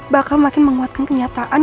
bakal makin menguatkan kenyataan